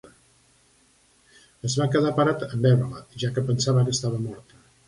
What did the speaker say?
Es va quedar parat en veure-la, ja que pensava que estava morta.